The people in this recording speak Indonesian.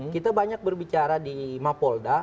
kita banyak berbicara di mapolda